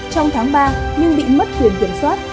trong tháng ba nhưng bị mất quyền kiểm soát